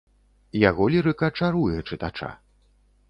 Яго лірыка чаруе чытача.